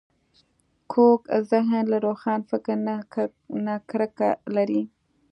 کوږ ذهن له روښان فکر نه کرکه لري